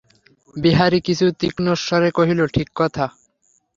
বিহারী কিছু তীক্ষ্ণস্বরে কহিল, ঠিক কথা।